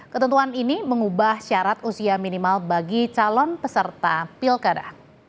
ketentuan ini mengubah syarat usia minimal bagi calon peserta pilkada